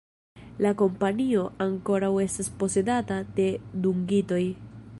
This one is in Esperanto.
La kompanio ankoraŭ estas posedata de dungitoj.